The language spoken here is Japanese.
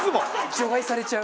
除外されちゃう。